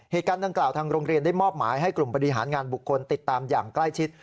เหตุการณ์ดังกล่าวทางโรงเรียนได้มอบหมายให้กลุ่มบริหารงานบุคคลติดตามอย่างใกล้ชิด